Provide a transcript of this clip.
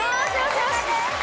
正解です。